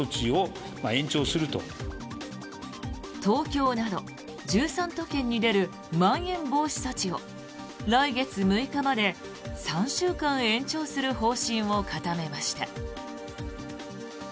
東京など１３都県に出るまん延防止措置を来月６日まで３週間延長する方針を固めました。